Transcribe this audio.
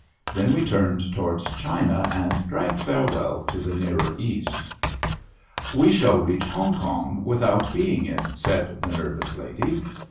Then we turned towards China and drank farewell to the nearer East. We shall reach Hongkong without being it,*' said the nervous lady.